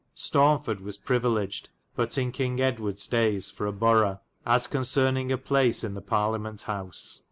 shire. Staunford was privilegyd but in Kynge Edward's day es for a borow, as concerninge a place in the Parliament Howse.